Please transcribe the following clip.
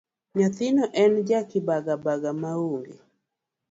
Nyathino en ja kibaga baga maonge.